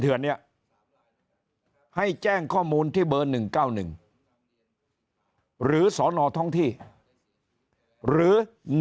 เดือนนี้ให้แจ้งข้อมูลที่เบอร์๑๙๑หรือสนท้องที่หรือ